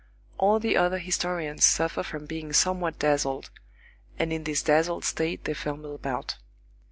All the other historians suffer from being somewhat dazzled, and in this dazzled state they fumble about.